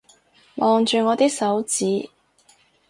望住我啲手指